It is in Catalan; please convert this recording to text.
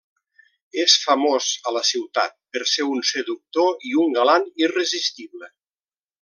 És famós a la ciutat per ser un seductor i un galant irresistible.